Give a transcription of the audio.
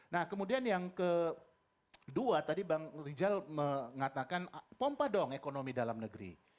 nah kemudian yang kedua tadi bang rijal mengatakan pompa dong ekonomi dalam negeri